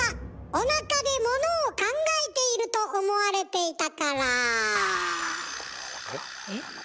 おなかでものを考えていると思われていた。